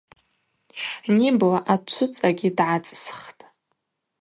Нибла ачвыцӏагьи дгӏацӏсхтӏ.